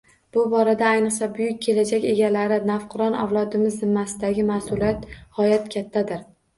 Bu borada, ayniqsa, buyuk kelajak egalari - navqiron avlod zimmasidagi mas’uliyat g‘oyat kattadir